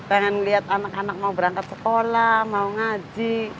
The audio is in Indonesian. pengen lihat anak anak mau berangkat sekolah mau ngaji